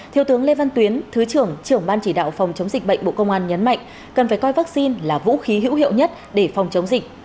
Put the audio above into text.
thiếu tướng lê văn tuyến thứ trưởng trưởng ban chỉ đạo phòng chống dịch bệnh bộ công an nhấn mạnh cần phải coi vaccine là vũ khí hữu hiệu nhất để phòng chống dịch